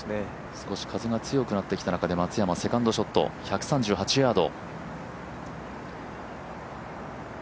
少し風が強くなってきた中で松山、セカンドショット、１３８ヤード。